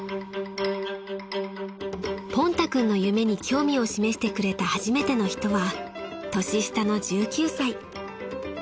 ［ポンタ君の夢に興味を示してくれた初めての人は年下の１９歳］